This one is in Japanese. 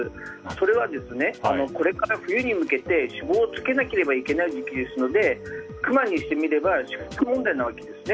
それは、これから冬に向けて脂肪をつけなければいけない時期ですのでクマにしてみれば死活問題なわけですね。